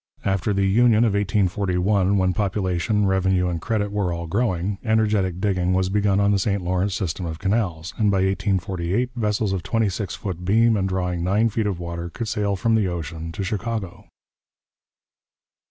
After the Union of 1841, when population, revenue, and credit were all growing, energetic digging was begun on the St Lawrence system of canals, and by 1848 vessels of twenty six foot beam and drawing nine feet of water could sail from the ocean to Chicago.